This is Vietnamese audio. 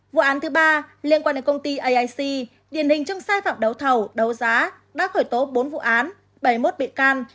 vụ án thứ ba liên quan đến công ty aic điển hình trong sai phạm đấu thầu đấu giá đã khởi tố bốn vụ án bảy mươi một bị can